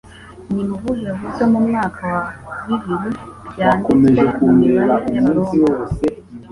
Ni mu buhe buryo mu mwaka wa bibiri byanditswe mu mibare y’Abaroma?